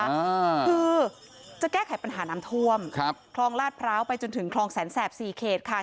อ่าคือจะแก้ไขปัญหาน้ำท่วมครับคลองลาดพร้าวไปจนถึงคลองแสนแสบสี่เขตค่ะ